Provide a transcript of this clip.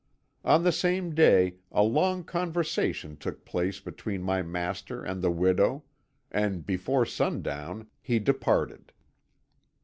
"On the same day a long conversation took place between my master and the widow, and before sundown he departed.